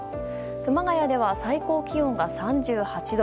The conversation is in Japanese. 熊谷では最高気温が３８度。